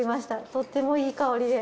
とってもいい香りで。